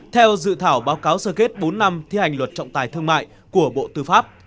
theo dự thảo báo cáo sơ kết bốn năm thi hành luật trọng tài thương mại của bộ tư pháp